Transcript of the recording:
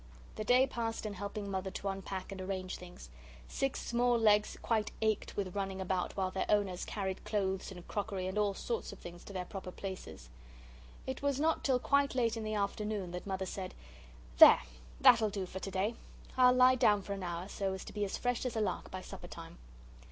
The day passed in helping Mother to unpack and arrange things. Six small legs quite ached with running about while their owners carried clothes and crockery and all sorts of things to their proper places. It was not till quite late in the afternoon that Mother said: "There! That'll do for to day. I'll lie down for an hour, so as to be as fresh as a lark by supper time."